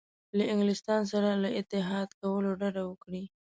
له انګلستان سره له اتحاد کولو ډډه وکړي.